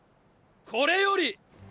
これより！！